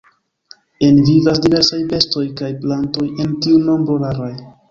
En vivas diversaj bestoj kaj plantoj, en tiu nombro raraj.